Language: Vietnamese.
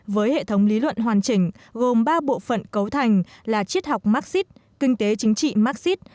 với hệ thống lý luận hoàn chỉnh gồm ba bộ phận cấu thành là triết học marxist kinh tế chính trị marxist